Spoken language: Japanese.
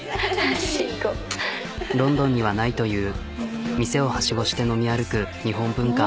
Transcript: ロンドンにはないという店をハシゴして飲み歩く日本文化。